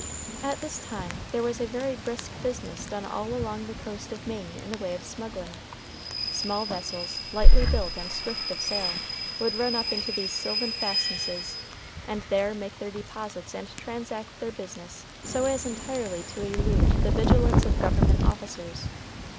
At this time there was a very brisk business done all along the coast of Maine in the way of smuggling. Small vessels, lightly built and swift of sail, would run up into these sylvan fastnesses, and there make their deposits and transact their business so as entirely to elude the vigilance of government officers.